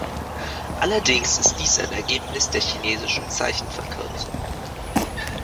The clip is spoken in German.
Allerdings ist dies ein Ergebnis der chinesischen Zeichen-Verkürzung.